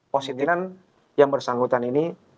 positifan yang bersangkutan ini